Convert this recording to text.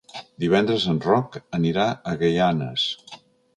Divendres en Roc anirà a Gaianes.